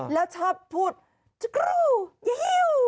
แล้วชอบพูดจุ๊กรูเยี่ยว